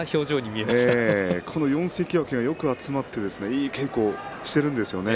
４関脇がよく集まっていい稽古をしているんですよね。